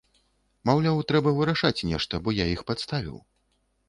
Маўляў, трэба вырашаць нешта, бо я іх падставіў.